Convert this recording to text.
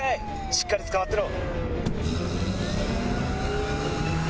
しっかりつかまってろ。